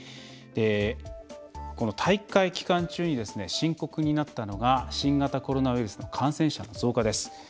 大会期間中に深刻になったのが新型コロナウイルスの感染者の増加です。